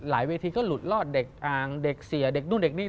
เวทีก็หลุดรอดเด็กอ่างเด็กเสียเด็กนู่นเด็กนี่